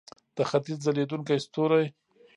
د ختیځ ځلیدونکی ستوری.